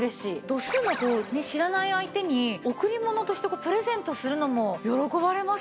度数のこう知らない相手に贈り物としてプレゼントするのも喜ばれますね。